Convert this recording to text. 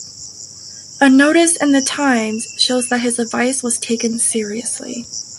A notice in the "Times" shows that his advice was taken seriously.